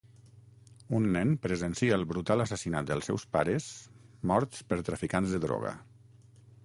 Un nen presencia el brutal assassinat dels seus pares morts per traficants de droga.